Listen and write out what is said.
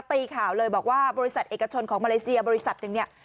ตีข่าวเลยบอกว่าบริษัทเอกชนของมาเลเซียบริษัทหนึ่งเนี่ย